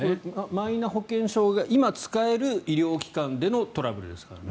マイナ保険証が今使える医療機関でのトラブルですからね。